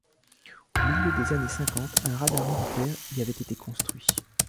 Au milieu des années cinquante, un radar militaire y avait été construit.